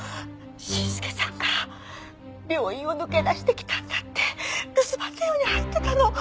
伸介さんが病院を抜け出してきたんだって留守番電話に入ってたの。